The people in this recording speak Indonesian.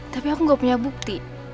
tapi aku gak punya bukti